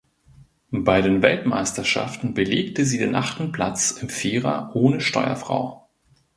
Bei den Weltmeisterschaften belegte sie den achten Platz im Vierer ohne Steuerfrau.